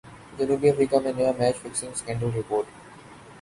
جنوبی افریقہ میں نیا میچ فکسنگ سکینڈل رپورٹ